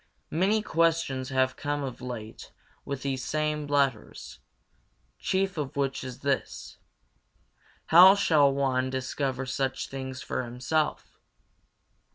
Many questions have come of late with these same letters; chief of which is this: How shall one discover such things for himself?